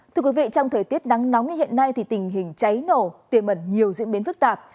thưa quý vị trong thời tiết nắng nóng như hiện nay thì tình hình cháy nổ tiềm ẩn nhiều diễn biến phức tạp